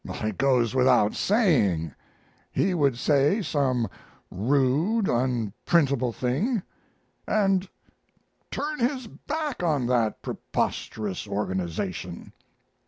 It goes without saying. He would say some rude, unprintable thing, and turn his back on that preposterous organization.